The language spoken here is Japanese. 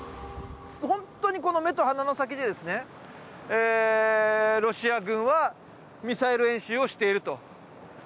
本当に目と鼻の先でロシア軍はミサイル演習をしていると。